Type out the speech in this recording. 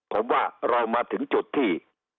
ผมว่าเรามาถึงจุดที่